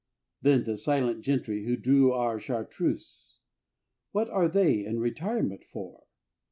Then the silent gentry who brew our Chartreuse; what are they in retirement for?